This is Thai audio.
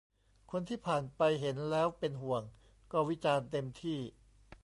คนที่ผ่านไปเห็นแล้วเป็นห่วง ก็วิจารณ์เต็มที่